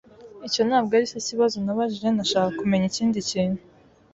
Icyo ntabwo aricyo kibazo nabajije. Nashakaga kumenya ikindi kintu.